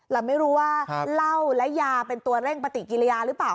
เราไม่รู้ว่าเหล้าและยาเป็นตัวเร่งปฏิกิริยาหรือเปล่า